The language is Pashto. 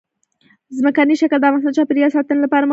ځمکنی شکل د افغانستان د چاپیریال ساتنې لپاره مهم دي.